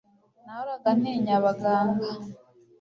Nahoraga ntinya abaganga